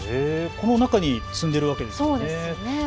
この中に積んでいるわけなんですね。